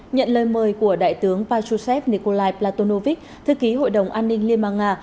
nhận lời mời của đại tướng pachusev nikolai platonovic thư ký hội đồng an ninh liên bang nga